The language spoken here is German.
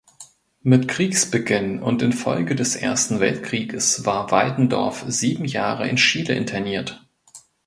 Mit Kriegsbeginn und infolge des Ersten Weltkrieges war Weitendorf sieben Jahre in Chile interniert.